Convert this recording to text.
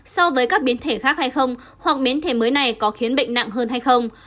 so với các biến thể khác hay không hoặc biến thể mới này có khiến bệnh nặng hơn hay không